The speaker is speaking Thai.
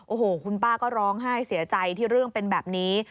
โอ้โหคุณป้าก็ร้องไห้เสียใจที่เรื่องเป็นแบบนี้